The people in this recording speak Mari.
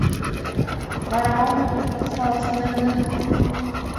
Вара мом каласынет гын?